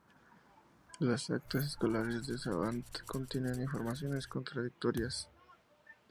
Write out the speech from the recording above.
Las actas escolares de Savant contienen informaciones contradictorias.